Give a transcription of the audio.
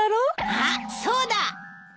あっそうだ！